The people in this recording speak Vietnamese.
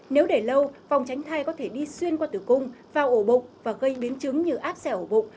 nếu để lâu vòng tránh thai có thể đi xuyên qua tử cung vào ổ bụng và gây biến chứng như áp xẻ ổ bụng